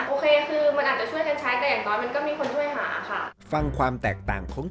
โอเคคือมันอาจจะช่วยกันใช้